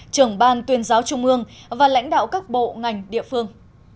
trưởng ban tuyên giáo trung ương và lãnh đạo các bộ ngành địa phương